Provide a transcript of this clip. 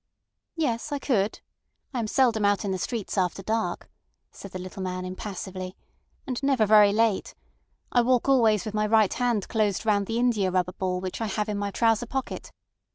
"Yes; I could. I am seldom out in the streets after dark," said the little man impassively, "and never very late. I walk always with my right hand closed round the india rubber ball which I have in my trouser pocket.